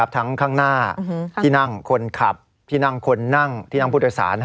ทั้งข้างหน้าที่นั่งคนขับที่นั่งคนนั่งที่นั่งผู้โดยสาร